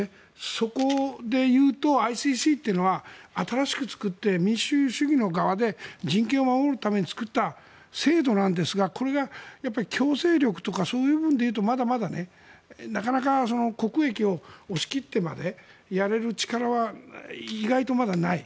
そこでいうと、ＩＣＣというのは新しく作って民主主義の側で人権を守るために作った制度なんですがこれが強制力とかそういう部分でいうとまだまだ、なかなか国益を押し切ってまでやれる力は意外とまだない。